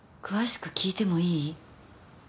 詳しく訊いてもいい？